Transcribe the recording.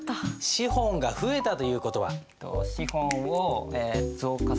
資本が増えたという事は？